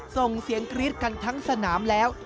ส่งเสียงกรี๊ดกันทั้งสนามแล้ว